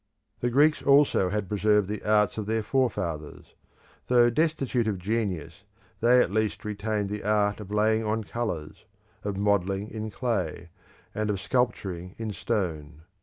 The Greeks also had preserved the arts of their forefathers; though destitute of genius, they at least retained the art of laying on colours, of modelling in clay, and of sculpturing in stone.